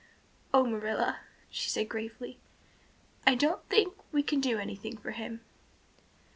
"Oh, Marilla," she said gravely. "I don't think we can do anything for him."